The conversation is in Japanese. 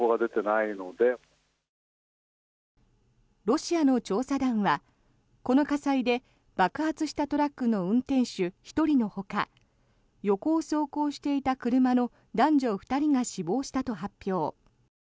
ロシアの調査団はこの火災で爆発したトラックの運転手１人のほか横を走行していた車の男女２人が死亡したと発表。